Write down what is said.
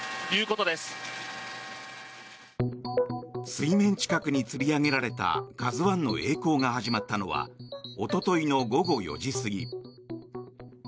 水面近くにつり上げられた「ＫＡＺＵ１」のえい航が始まったのはおとといの午後４時過ぎ。